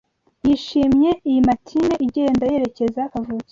yishimye Iyi matine igenda yerekeza kavukire